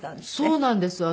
そうなんです。